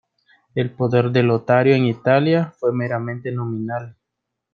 El poder de Lotario en Italia fue meramente nominal.